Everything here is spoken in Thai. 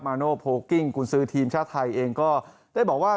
โนโพลกิ้งกุญซือทีมชาติไทยเองก็ได้บอกว่า